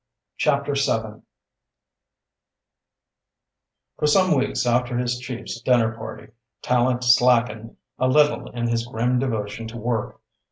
CHAPTER VII For some weeks after his chief's dinner party, Tallente slackened a little in his grim devotion to work.